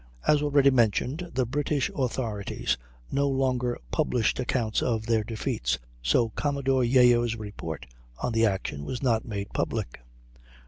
] As already mentioned, the British authorities no longer published accounts of their defeats, so Commodore Yeo's report on the action was not made public.